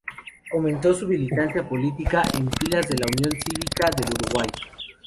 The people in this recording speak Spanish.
Comenzó su militancia política en filas de la Unión Cívica del Uruguay.